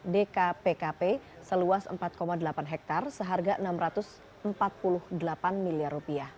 dkpkp seluas empat delapan hektare seharga rp enam ratus empat puluh delapan miliar